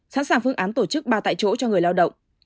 sẵn sàng phương án tổ chức ba tại chỗ cho người lao động